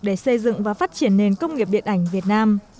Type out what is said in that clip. để xây dựng và phát triển nền công nghiệp điện ảnh việt nam